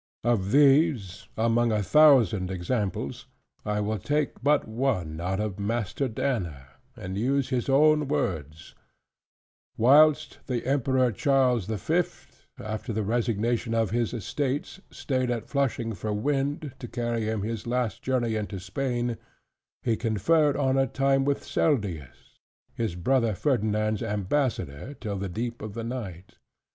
Of these, among a thousand examples, I will take but one out of Master Danner, and use his own words: "Whilest the Emperor Charles the Fifth, after the resignation of his estates, stayed at Flushing for wind, to carry him his last journey into Spain; he conferred on a time with Seldius, his brother Ferdinand's Ambassador, till the deep of the night.